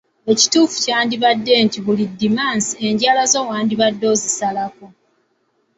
Ekituufu kyandibadde nti buli Ddimansi enjala zo wandibadde ozisalako.